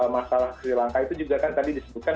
masalah sri lanka itu juga kan tadi disebutkan